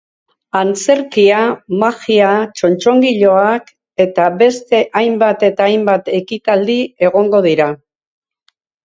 Antzerkia, magia, txotxongiloak eta beste hainbat eta hainbat ekitaldi egongo dira.